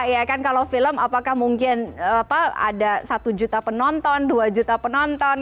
ya kan kalau film apakah mungkin ada satu juta penonton dua juta penonton